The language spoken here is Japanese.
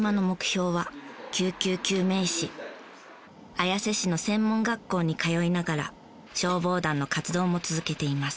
綾瀬市の専門学校に通いながら消防団の活動も続けています。